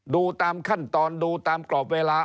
ดูตามขั้นตอนดูตามกรอบเวลา